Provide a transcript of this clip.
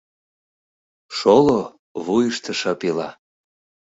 Шоло вуйышто шып ила.